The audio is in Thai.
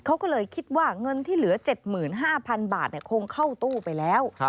เขาก็เลยคิดว่าเงินที่เหลือ๗๕๐๐๐บาทคงเข้าตู้ไปแล้ว